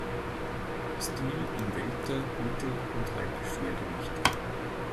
Stil im Welter-, Mittel- und Halbschwergewicht.